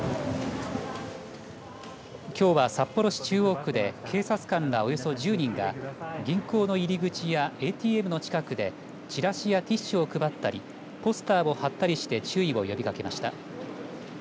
きょうは、札幌市中央区で警察官ら、およそ１０人が銀行の入り口やＡＴＭの近くでチラシやティッシュを配ったりポスターを貼ったりして注意を呼びかけました。